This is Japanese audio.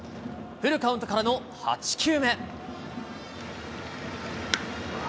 フルカウントからの８球目。